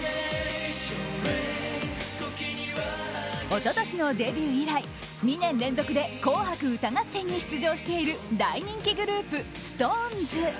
一昨年のデビュー以来２年連続で「紅白歌合戦」に出場している大人気グループＳｉｘＴＯＮＥＳ。